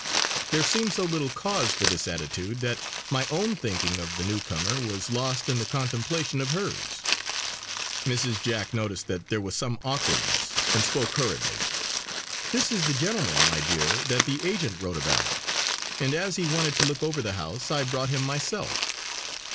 There seemed so little cause for this attitude that my own thinking of the new comer was lost in the contemplation of hers. Mrs. Jack noticed that there was some awkwardness, and spoke hurriedly: "This is the gentleman, my dear, that the agent wrote about; and as he wanted to look over the house I brought him myself."